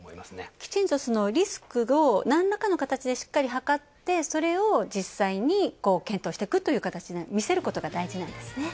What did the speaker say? きちんとリスクをなんらかの方法ではかってそれを実際に検討していくという、見せることが大事なんですね。